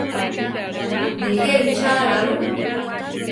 Nijé ichála ru?